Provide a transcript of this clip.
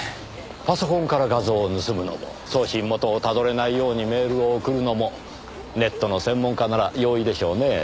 パソコンから画像を盗むのも送信元をたどれないようにメールを送るのもネットの専門家なら容易でしょうねぇ。